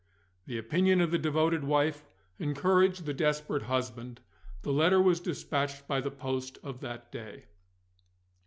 The opinion of the devoted wife encouraged the desperate husband: the letter was dispatched by the post of that day.